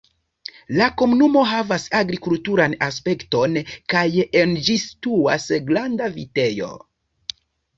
La komunumo havas agrikulturan aspekton kaj en ĝi situas granda vitejo.